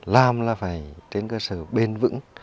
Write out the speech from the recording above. làm là phải trên cơ sở bền vững